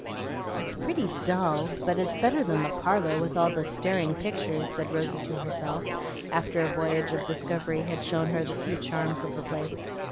"It's pretty dull, but it's better than the parlor with all the staring pictures," said Rosy to herself, after a voyage of discovery had shown her the few charms of the place.